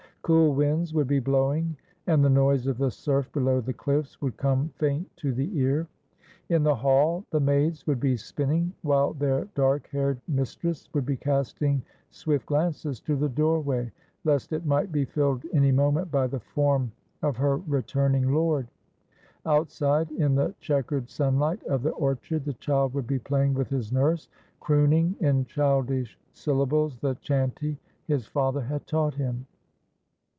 Cool winds would be blowing, and the noise of the surf below the cHffs would come faint to the ear. In the hall the maids would be spinning, while their dark haired mistress would be casting swift glances to the doorway, lest it might be filled any moment by the form of her returning lord. Outside in the checkered sunHght of the orchard the child would be playing with his nurse, crooning in childish syllables the chanty his father had taught him.